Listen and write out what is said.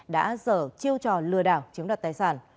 đã dở chiêu trò lừa đảo chiếm đoạt tài sản